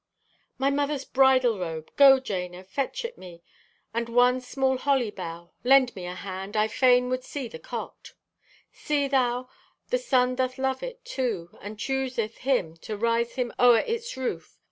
"My mother's bridal robe! Go, Jana, fetch it me, and one small holly bough. Lend me a hand. I fain would see the cot. "See thou! The sun doth love it, too, and chooseth him to rise him o'er its roof!